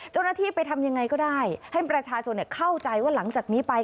เจ้าหน้าที่ไปทำยังไงก็ได้ให้ประชาชนเข้าใจว่าหลังจากนี้ไป